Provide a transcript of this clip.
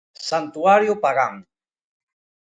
Santuario pagán.